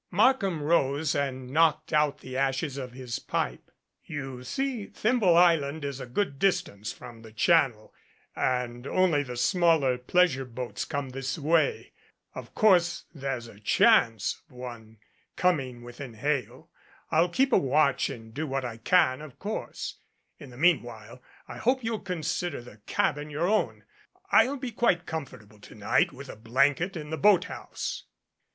Markham rose and knocked out the ashes of his pipe. "You see, Thimble Island is a good distance from the channel and only the smaller pleasure boats come this way. Of course there's a chance of one coming within hail. I'll keep a watch and do what I can, of course. In the meanwhile I hope you'll consider the cabin your own. I'll be quite comfortable to night with a blanket in the boat house."